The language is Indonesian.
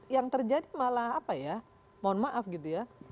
yang terjadi malah apa ya mohon maaf gitu ya